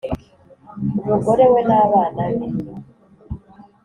umugore we na bana be